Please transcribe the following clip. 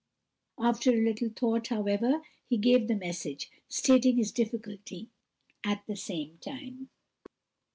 After a little thought, however, he gave the message, stating his difficulty at the same time.